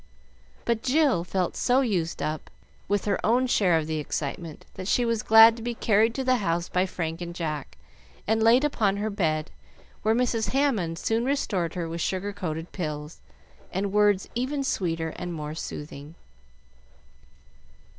But Jill felt so used up with her own share of the excitement that she was glad to be carried to the house by Frank and Jack, and laid upon her bed, where Mrs. Hammond soon restored her with sugar coated pills, and words even sweeter and more soothing.